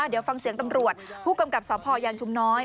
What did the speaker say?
เดี๋ยวฟังเสียงตำรวจผู้กำกับสพยันชุมน้อย